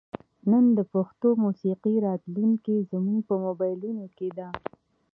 نن د پښتو موسیقۍ راتلونکې زموږ په موبایلونو کې ده.